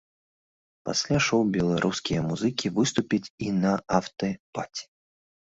Пасля шоў беларускія музыкі выступяць і на афтэ-паці.